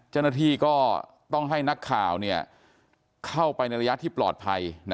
เจ้าหน้าที่ก็ต้องให้นักข่าวเข้าไปในระยะที่ปลอดภัย